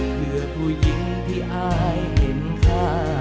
เพื่อผู้หญิงที่อายเห็นค่า